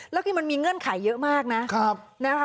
แล้วคือมันมีเงื่อนไขเยอะมากนะ